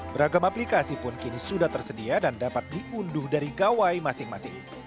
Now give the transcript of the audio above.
beragam aplikasi pun kini sudah tersedia dan dapat diunduh dari gawai masing masing